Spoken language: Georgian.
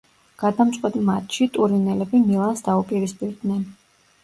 გადამწყვეტ მატჩში ტურინელები „მილანს“ დაუპირისპირდნენ.